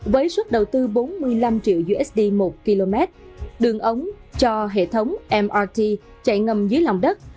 với suất đầu tư bốn mươi năm triệu usd một km đường ống cho hệ thống mrt chạy ngầm dưới lòng đất